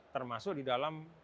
termasuk di dalam